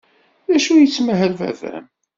D acu ay yettmahal baba-m?